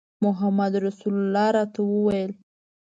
محمدرسول راته وویل.